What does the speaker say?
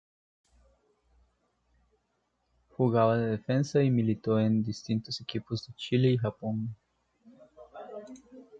Jugaba de defensa y militó en distintos equipos de Chile y Japón.